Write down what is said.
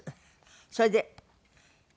それで。